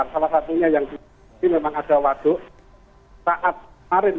kemudian ada obat obatan